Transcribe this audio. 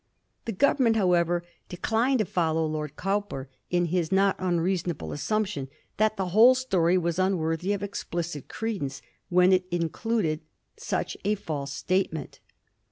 The Grovemment, however, declined to follow Lord Cowper in his not unreasonable assumption that the whole story was unworthy of explicit credence when it in cluded such a Mse statement.